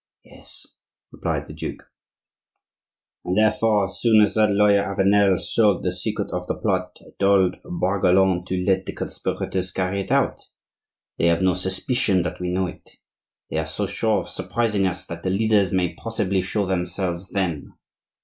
"Yes," replied the duke, "and, therefore, as soon as that lawyer Avenelles sold the secret of the plot, I told Braguelonne to let the conspirators carry it out. They have no suspicion that we know it; they are so sure of surprising us that the leaders may possibly show themselves then.